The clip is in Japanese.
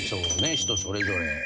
人それぞれ。